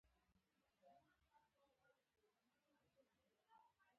ښکلا د ښځې هوښیارتیا ده .